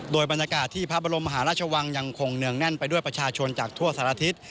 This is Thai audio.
โดยบรรยากาศที่พระบรมมหาราชวังยังคงเนืองแน่นไปด้วยประชาชนจากทั่วสารทิศ